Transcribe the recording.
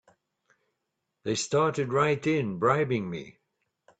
They started right in bribing me!